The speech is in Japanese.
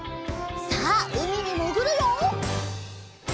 さあうみにもぐるよ！